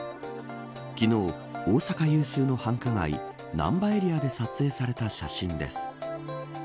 昨日、大阪有数の繁華街難波エリアで撮影された写真です。